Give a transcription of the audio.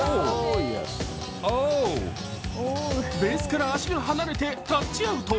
ベースから足が離れてタッチアウト。